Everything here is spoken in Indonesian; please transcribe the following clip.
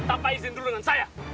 tanpa izin dulu dengan saya